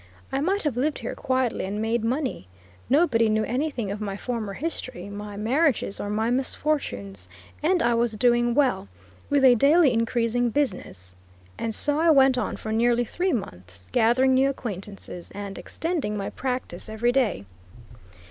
I might have lived here quietly and made money. Nobody knew anything of my former history, my marriages or my misfortunes, and I was doing well, with a daily increasing business. And so I went on for nearly three months, gaining new acquaintances, and extending my practice every day.